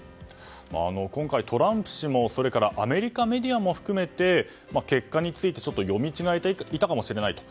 今回、トランプ氏もそれからアメリカメディアも含め結果について読み違えていたかもしれないと。